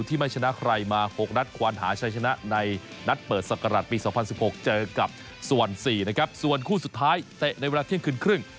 เตะในเวลาเที่ยงคืนครึ่ง